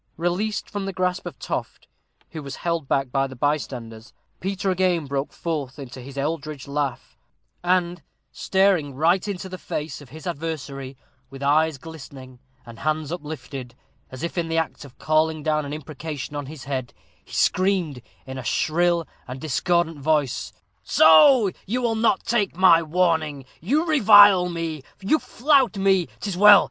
Released from the grasp of Toft, who was held back by the bystanders, Peter again broke forth into his eldritch laugh; and staring right into the face of his adversary, with eyes glistening, and hands uplifted, as if in the act of calling down an imprecation on his head, he screamed, in a shrill and discordant voice, "Soh! you will not take my warning? you revile me you flout me! 'Tis well!